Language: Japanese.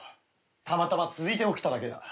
たまたま続いて起きただけだ。